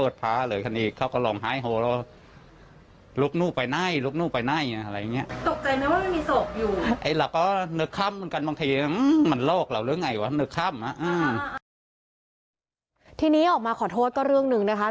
ทีนี้ออกมาขอโทษก็เรื่องหนึ่งนะคะ